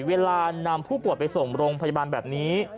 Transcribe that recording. เวลานำผู้ป่วยไปส่งโรงพยาบาลแบบนี้